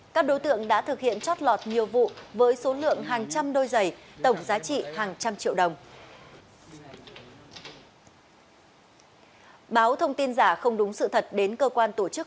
các đối tượng đã thực hiện chót lọt nhiều vụ với số lượng hàng trăm đôi giày tổng giá trị hàng trăm triệu đồng